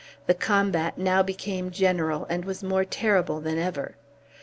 The combat now became general, and was more terrible than ever.